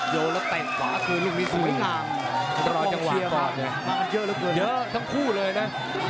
เยอะทั้งคู่เลยนะ